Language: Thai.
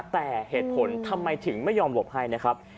แต่เหตุผลทำไมถึงไม่ยอมหลบให้นะครับ